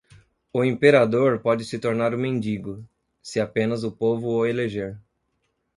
O imperador pode se tornar um mendigo, se apenas o povo o eleger.